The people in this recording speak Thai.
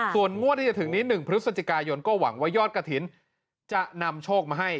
ส่วนงวดที่จะถึงนี้๑พฤศจิกายนก็หวังว่ายอดกระถิ่นจะนำโชคมาให้